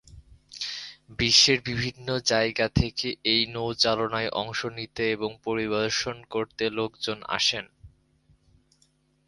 বিশ্বের বিভিন্ন জায়গা থেকে এই নৌচালনায় অংশ নিতে এবং পরিদর্শন করতে লোকজন আসেন।